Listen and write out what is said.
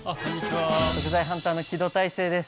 食材ハンターの木戸大聖です。